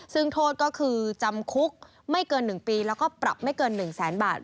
ซึ่งโทษก็คือจำคุกไม่เกิน๑ปีแล้วก็ปรับไม่เกิน๑แสนบาท